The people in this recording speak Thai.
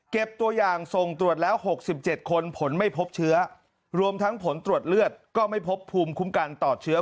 ตัวอย่างส่งตรวจแล้ว๖๗คนผลไม่พบเชื้อรวมทั้งผลตรวจเลือดก็ไม่พบภูมิคุ้มกันต่อเชื้อ